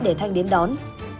để thanh đến đón